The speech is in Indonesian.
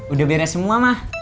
udah beres semua ma